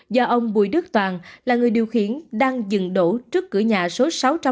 do ông bùi đức toàn là người điều khiển đang dừng đổ trước cửa nhà số sáu trăm một mươi hai